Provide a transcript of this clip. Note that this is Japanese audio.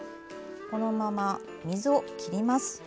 このまま水を切ります。